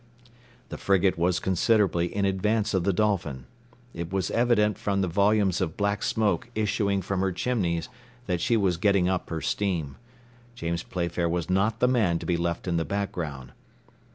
The frigate was considerably in advance of the Dolphin. It was evident from the volumes of black smoke issuing from her chimneys that she was getting up her steam. James Playfair was not the man to be left in the background.